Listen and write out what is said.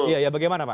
iya bagaimana pak